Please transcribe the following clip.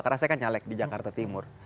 karena saya kan nyalek di jakarta timur